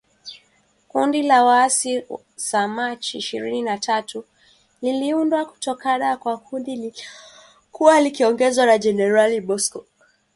Kundi la waasi sa Machi ishirini na tatu liliundwa kutoka kwa kundi lililokuwa likiongozwa na Jenerali Bosco Ntaganda